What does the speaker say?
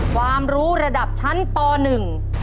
ความรู้ระดับชั้นปหนึ่ง